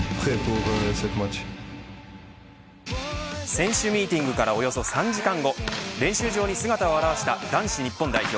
選手ミーティングからおよそ３時間後練習場に姿を現した男子日本代表。